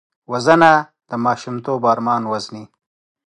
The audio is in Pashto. وژنه د ماشومتوب ارمان وژني